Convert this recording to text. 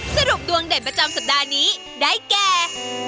สรุปดวงเด่นประจำสัปดาห์นี้ได้แก่